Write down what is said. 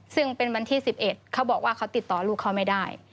ซึ่งเป็นวันที่๑๑เขาบอกว่าเขาติดต่อลูกเขาไม่ได้